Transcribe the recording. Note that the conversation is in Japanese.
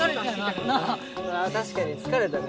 確かにつかれたね。